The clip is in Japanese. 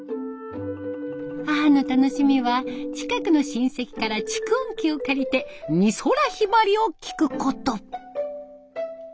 母の楽しみは近くの親戚から蓄音機を借りて美空ひばりを聴くこと。